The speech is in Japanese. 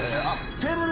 テーブル